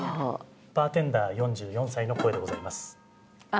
バーテンダー４４歳の声でございます。